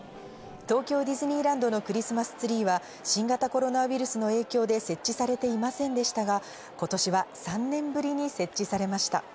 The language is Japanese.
東京ディズニーランドのクリスマスツリーは新型コロナウイルスの影響で設置されていませんでしたが、今年は３年ぶりに設置されました。